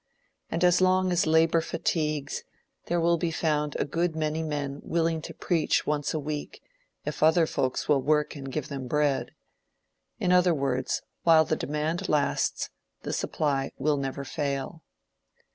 And as long as labor fatigues, there will be found a good many men willing to preach once a week, if other folks will work and give them bread. In other words, while the demand lasts, the supply will never fail.